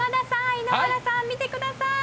井ノ原さん、見てください！